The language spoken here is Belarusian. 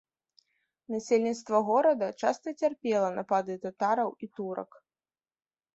Насельніцтва горада часта цярпела напады татараў і турак.